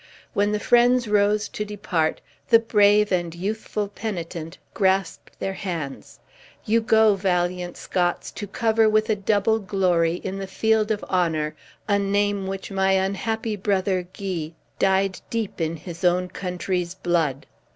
When the friends rose to depart, the brave and youthful penitent grasped their hands: "You go, valiant Scots, to cover with a double glory, in the field of honor, a name which my unhappy brother Guy dyed deep in his own country's blood!